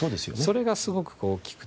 それがすごく大きくて。